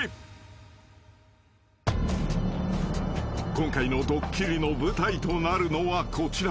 ［今回のドッキリの舞台となるのはこちら］